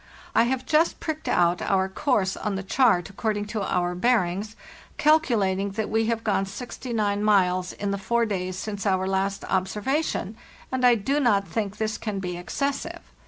I have just pricked out our course on the chart according to our bearings, calculating that we have gone 69 miles in the four days since our last observation, and I do not think this can be excessive.